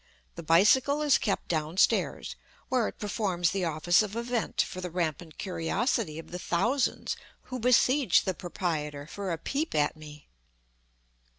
The bicycle is kept down stairs, where it performs the office of a vent for the rampant curiosity of the thousands who besiege the proprietor for a peep at me.